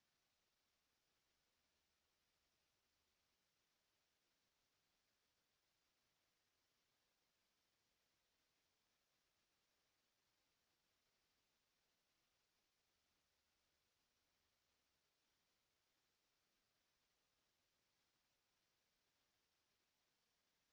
โปรดติดตามต่อไป